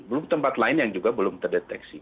belum tempat lain yang juga belum terdeteksi